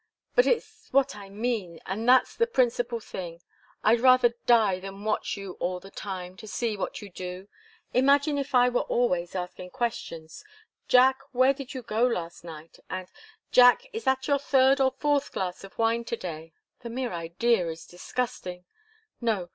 But it's what I mean, and that's the principal thing. I'd rather die than watch you all the time, to see what you do. Imagine if I were always asking questions 'Jack, where did you go last night?' And 'Jack, is that your third or fourth glass of wine to day?' The mere idea is disgusting. No.